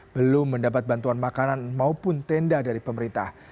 belum mendapat bantuan makanan maupun tenda dari pemerintah